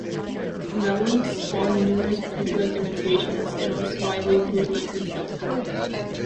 "Melon" spawned numerous bootleg imitations and was widely bootlegged itself.